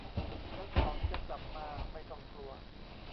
ทั้งสองจะกลับมา ไม่ต้องกลัว